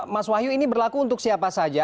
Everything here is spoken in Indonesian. mas wahyu ini berlaku untuk siapa saja